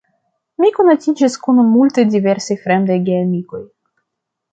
Mi konatiĝis kun multaj diversaj fremdaj geamikoj.